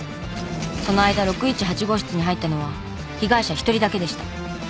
その間６１８号室に入ったのは被害者一人だけでした。